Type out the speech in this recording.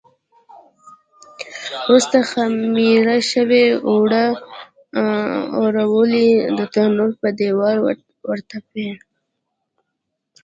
وروسته خمېره شوي اوړه اواروي او د تنور پر دېوال ورتپي.